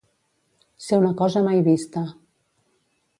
Ser una cosa mai vista.